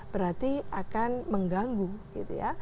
berarti akan mengganggu gitu ya